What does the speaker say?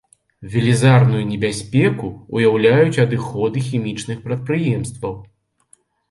Велізарную небяспеку ўяўляюць адыходы хімічных прадпрыемстваў.